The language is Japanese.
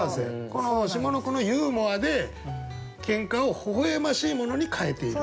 この下の句のユーモアでケンカをほほ笑ましいものに変えていると。